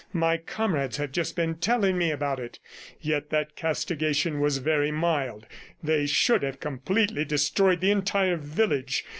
My comrades have just been telling me about it; yet that castigation was very mild; they should have completely destroyed the entire village.